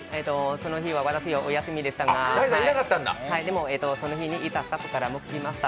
その日は私、お休みでしたが、でもその日にいたスタッフから聞きました。